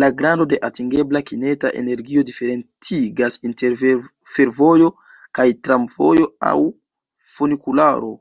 La grando de atingebla kineta energio diferencigas inter fervojo kaj tramvojo aŭ funikularo.